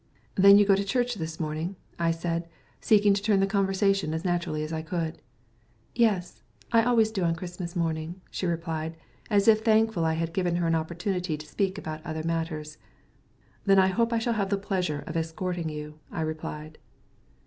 "Then you go to church this morning?" I said, seeking to turn the conversation as naturally as I could. "Yes, I always do on Christmas morning," she replied, as if thankful I had given her an opportunity of speaking about other matters. "Then I hope I shall have the pleasure of escorting you," I replied.